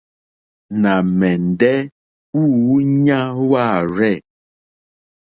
Nà mɛ̀ndɛ́ wúǔɲá wârzɛ̂.